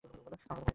আমার কথা মনে নেই?